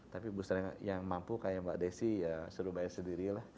tapi booster yang mampu kayak mbak desi ya suruh bayar sendiri lah